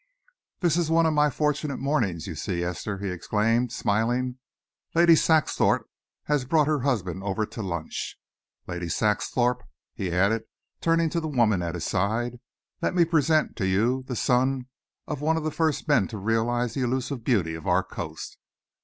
"This is one of my fortunate mornings, you see, Esther!" he exclaimed, smiling. "Lady Saxthorpe has brought her husband over to lunch. Lady Saxthorpe," he added, turning to the woman at his side, "let me present to you the son of one of the first men to realise the elusive beauty of our coast.